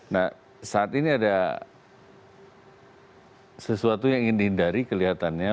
nah saat ini ada sesuatu yang ingin dihindari kelihatannya